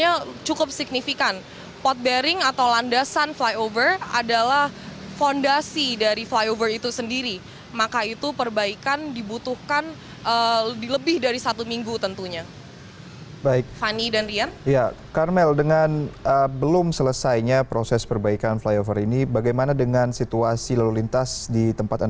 dari pandangan mata yang saya bisa lihat di lapangan saya sekarang sedang berdiri di bawah pilar keempat yang konstruksinya masih jauh dari selesai